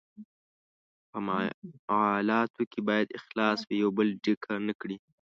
په معالاتو کې باید اخلاص وي، یو بل ډیکه نه کړي.